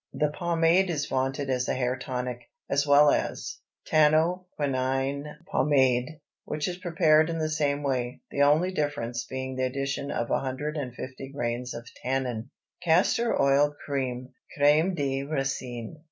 The pomade is vaunted as a hair tonic, as well as TANNO QUININE POMADE, which is prepared in the same way; the only difference being the addition of 150 grains of tannin. CASTOR OIL CREAM (CRÊME DE RICINE).